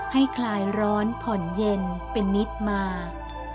คลายร้อนผ่อนเย็นเป็นนิดมาก